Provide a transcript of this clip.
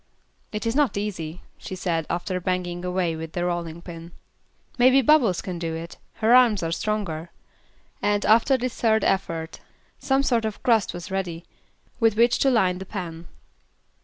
"It is not easy," she said, after banging away with the rolling pin. "Maybe Bubbles can do it; her arms are stronger;" and, after this third effort, some sort of crust was ready, with which to line the pan.